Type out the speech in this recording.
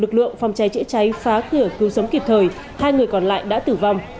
trong phòng cháy chữa cháy phá cửa cứu sống kịp thời hai người còn lại đã tử vong